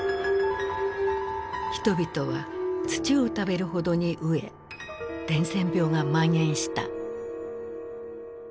人々は土を食べるほどに飢え伝染病がまん延した。